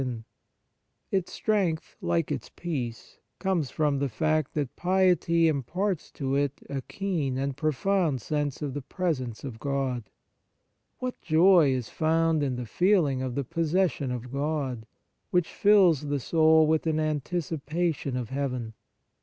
153 On Piety Its strength, like its peace, come from the fact that piety imparts to it a keen and profound sense of the presence of God. What joy is found in the feeling of the possession of God, which fills the soul with an anticipation of heaven